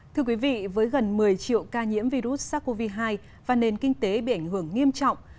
thưa quý vị với gần một mươi triệu ca nhiễm virus sars cov hai và nền kinh tế bị ảnh hưởng nghiêm trọng